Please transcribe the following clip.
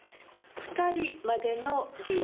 ２人までの利用。